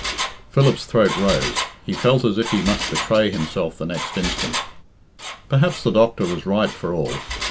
Philip's throat rose. He felt as if he must betray himself the next instant. "Perhaps the doctor was right for all.